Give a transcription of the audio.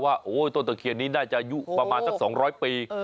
ว่าต้นตะเคียนนี้น่าจะอายุประมาณสัก๒๐๐ปี